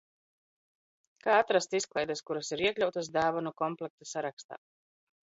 Kā atrast izklaides, kuras ir iekļautas dāvanu komplekta sarakstā?